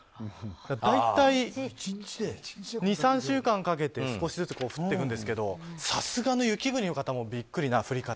大体２３週間かけて少しずつ降ってくるんですけどさすがの雪国の方もビックリな降り方。